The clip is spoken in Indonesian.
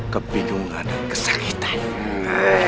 kebingungan dan kesakitan